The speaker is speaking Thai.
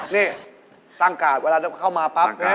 นี่ตั้งกาดเวลาจะเข้ามาปั๊บ